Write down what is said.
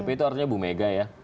dpp itu artinya bumega ya